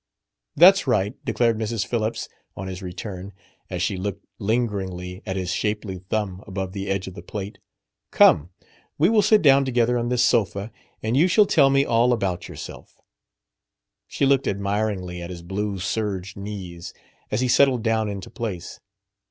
"That's right," declared Mrs. Phillips, on his return, as she looked lingeringly at his shapely thumb above the edge of the plate. "Come, we will sit down together on this sofa, and you shall tell me all about yourself." She looked admiringly at his blue serge knees as he settled down into place.